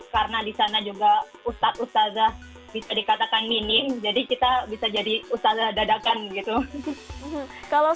karena di sana juga ustaz ustazah bisa dikatakan minim jadi kita bisa jadi ustazah dadakan gitu